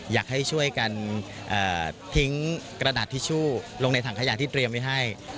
อยากให้ช่วยกันทิ้งกระดาษทิชชู่ลงในถังขยะที่เตรียมไว้ให้